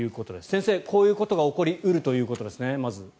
先生、こういうことが起こり得るということですね。